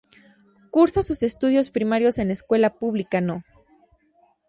Cursa sus estudios primarios en la escuela pública No.